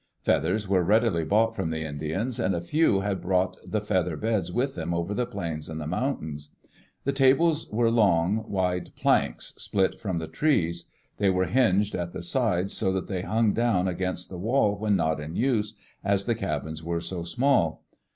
Feathers were readily bought from the Indians, and a few had brought the feather beds with them over the plains and the mountains. The tables were long, wide planks, split from the trees. They were hinged at the side so that they hung down against the wall when not in use, as the cabins were so small.